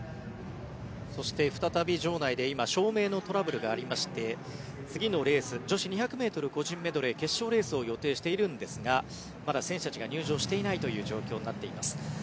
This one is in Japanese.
そして再び場内で今照明のトラブルがありまして次のレース、女子２００ｍ個人メドレー決勝レースを予定しているんですがまだ選手たちが入場していないという状況になっています。